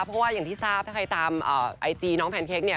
เพราะว่าอย่างที่ทราบถ้าใครตามไอจีน้องแพนเค้กเนี่ย